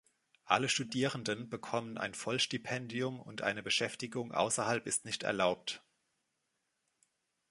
Alle Studierenden bekommen ein Vollstipendium und eine Beschäftigung außerhalb ist nicht erlaubt.